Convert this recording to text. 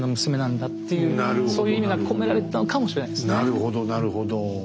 なるほどなるほど。